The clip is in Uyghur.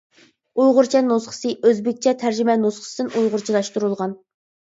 ئۇيغۇرچە نۇسخىسى ئۆزبېكچە تەرجىمە نۇسخىسىدىن ئۇيغۇرچىلاشتۇرۇلغان.